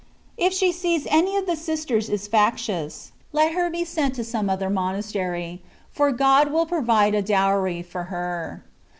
If she see any of the sisters is factious,* let her be sent to some other monastery, for God will provide a dowry for her.